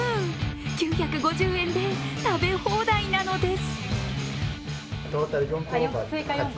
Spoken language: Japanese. ９５０円で食べ放題なのです。